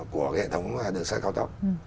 của hệ thống đường sắt cao tốc